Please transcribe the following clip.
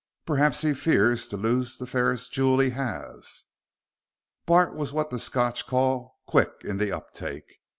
"Perhaps he fears to lose the fairest jewel he has." Bart was what the Scotch call "quick in the uptake."